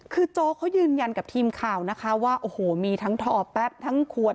คือโจ๊กเขายืนยันกับทีมข่าวนะคะว่าโอ้โหมีทั้งถ่อแป๊บทั้งขวด